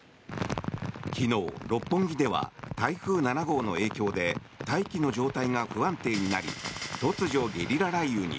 昨日、六本木では台風７号の影響で大気の状態が不安定になり突如、ゲリラ雷雨に。